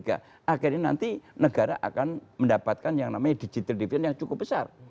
akhirnya nanti negara akan mendapatkan yang namanya digital defini yang cukup besar